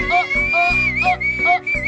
saya cuman mau peluang sendiri